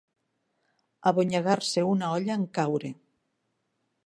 Abonyegar-se una olla en caure.